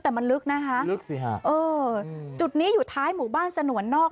แต่มันลึกนะคะลึกสิฮะเออจุดนี้อยู่ท้ายหมู่บ้านสนวนนอก